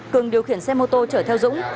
cường điều khiển xe mô tô chở theo dũng